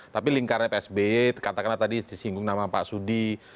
tapi lingkarannya pak sp katakanlah tadi disinggung nama pak sudi